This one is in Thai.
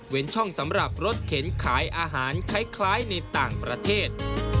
ช่องสำหรับรถเข็นขายอาหารคล้ายในต่างประเทศ